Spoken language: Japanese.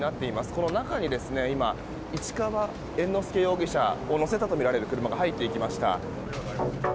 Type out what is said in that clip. この中に今、市川猿之助容疑者を乗せたとみられる車が入っていきました。